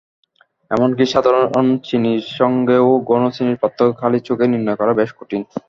এমনকি সাধারণ চিনির সঙ্গেও ঘনচিনির পার্থক্য খালি চোখে নির্ণয় করা বেশ কঠিন।